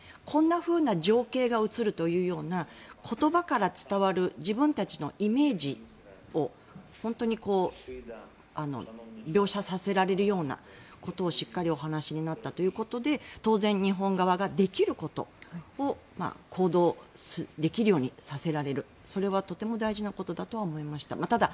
こんなふうな情景が映るというような言葉から伝わる自分たちのイメージを、本当に描写させられるようなことをしっかりお話になったということで当然、日本側ができることを行動できるようにさせられるそれはとても大事なことだとは思いました。